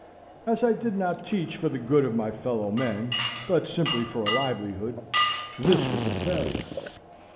As I did not teach for the good of my fellow men, but simply for a livelihood, this was a failure.